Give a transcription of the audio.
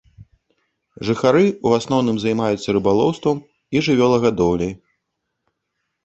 Жыхары ў асноўным займаюцца рыбалоўствам і жывёлагадоўляй.